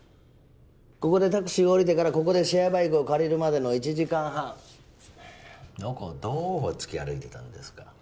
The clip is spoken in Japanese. ここでタクシーを降りてからここでシェアバイクを借りるまでの１時間半どこをどうほっつき歩いてたんですか？